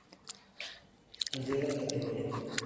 Perdió la categoría.